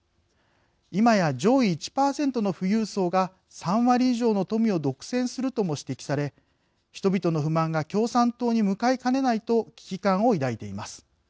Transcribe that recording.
今や上位１％の富裕層が３割以上の富を独占するとも指摘され人々の不満が共産党に向かいかねないと危機感を抱いています。